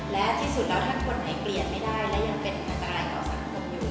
และที่สุดแล้วถ้าคนไหนเปลี่ยนไม่ได้และยังเป็นอันตรายต่อสังคมอยู่